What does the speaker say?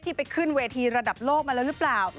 ไปขึ้นเวทีระดับโลกมาแล้วหรือเปล่า